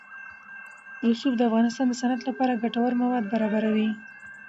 رسوب د افغانستان د صنعت لپاره ګټور مواد برابروي.